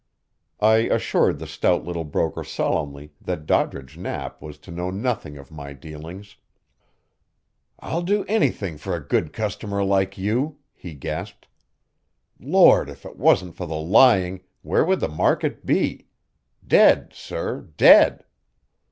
I assured the stout little broker solemnly that Doddridge Knapp was to know nothing of my dealings. "I'll do anything for a good customer like you," he gasped. "Lord, if it wasn't for the lying, where would the market be? Dead, sir, dead!"